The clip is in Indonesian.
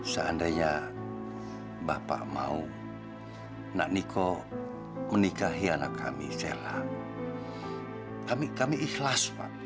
seandainya bapak mau nak niko menikahi anak kami sela kami kami ikhlas pak